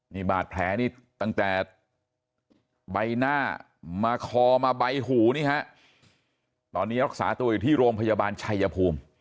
นี่บาดแผลนี่ตั้งแต่ใบหน้ามาคอมาใบหูนี่ฮะตอนนี้รักษาตัวอยู่ที่โรงพยาบาลชัยภูมิ